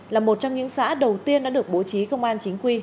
là một trong những xã đầu tiên đã được bố trí công an chính quy